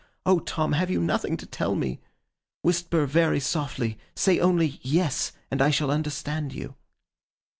O Tom, have you nothing to tell me? Whisper very softly. Say only "yes," and I shall understand you!